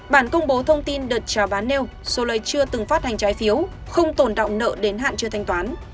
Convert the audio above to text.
bản công bố thông tin đợt trào bán nêu soleil chưa từng phát hành trái phiếu không tổn động nợ đến hạn chưa thanh toán